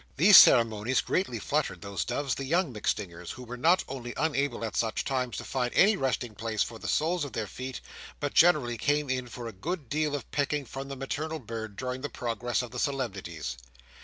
These ceremonies greatly fluttered those doves the young MacStingers, who were not only unable at such times to find any resting place for the soles of their feet, but generally came in for a good deal of pecking from the maternal bird during the progress of the solemnities.